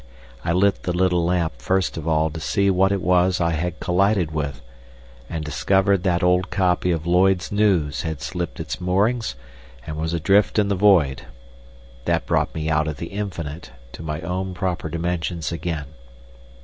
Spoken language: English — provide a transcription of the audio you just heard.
I lit the little lamp first of all to see what it was I had collided with, and discovered that old copy of Lloyd's News had slipped its moorings, and was adrift in the void. That brought me out of the infinite to my own proper dimensions again.